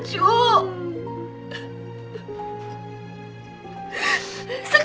disayang bukan untuk disingsan cu